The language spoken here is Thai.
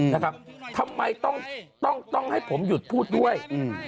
นะครับทำไมต้องต้องให้ผมหยุดพูดด้วยอืม